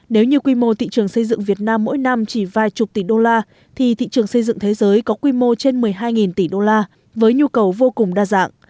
nếu như quy mô thị trường xây dựng việt nam mỗi năm chỉ vài chục tỷ đô la thì thị trường xây dựng thế giới có quy mô trên một mươi hai tỷ đô la với nhu cầu vô cùng đa dạng